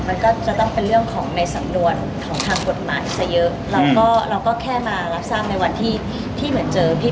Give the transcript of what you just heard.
มันก็จะต้องเป็นเรื่องของในสำนวนของทางกฎหมายซะเยอะเราก็เราก็แค่มารับทราบในวันที่ที่เหมือนเจอพี่